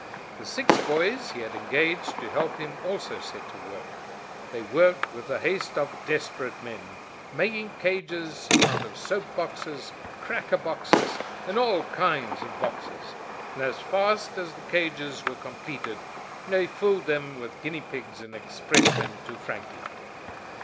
The six boys he had engaged to help him also set to work. They worked with the haste of desperate men, making cages out of soap boxes, cracker boxes, and all kinds of boxes, and as fast as the cages were completed they filled them with guinea pigs and expressed them to Franklin.